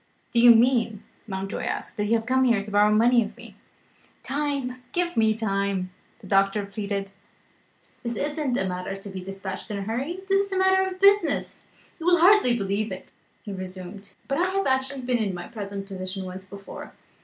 "Do you mean," Mountjoy asked, "that you have come here to borrow money of me?" "Time give me time," the doctor pleaded: "this is not a matter to be dispatched in a hurry; this is a matter of business. You will hardly believe it," he resumed, "but I have actually been in my present position, once before."